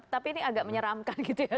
tapi ini agak menyeramkan gitu ya